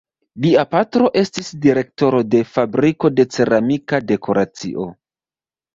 Lia patro estis direktoro de fabriko de ceramika dekoracio.